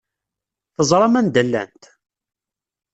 Teẓram anda llant?